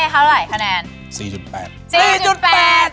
ให้เขาไหนคะแนน